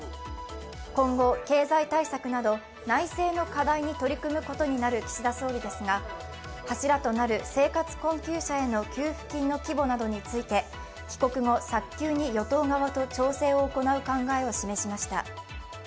今後、経済対策など内政の課題に取り組むことになる岸田総理ですが柱となる生活困窮者への給付金の規模などについて帰国後、早急に与党側と調整を行う考えを示しました。